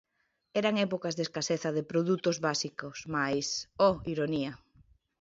Eran épocas de escaseza de produtos básicos mais, oh ironía!